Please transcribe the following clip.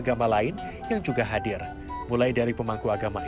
sampai jumpa di video selanjutnya